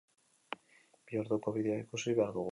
Bi orduko bideoa ikusi behar dugu.